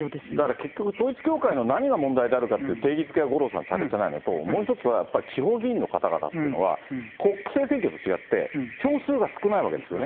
結局、統一教会の何が問題であるかという定義づけが、五郎さん、されていないのと、もう一つはやっぱり、地方議員の方々っていうのは、国政選挙と違って、票数が少ないわけですよね。